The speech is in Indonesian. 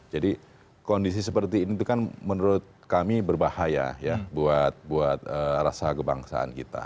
jadi kondisi seperti ini itu kan menurut kami berbahaya ya buat rasa kebangsaan kita